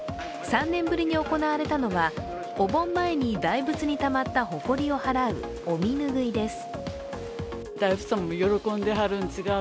３年ぶりに行われたのはお盆前に大仏にたまったほこりを払うお身拭いです。